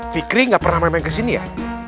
fikri gak pernah memang kesini ya